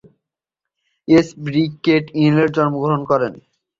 S ব্রিগড ইলিনয়ে জন্মগ্রহণ করেন।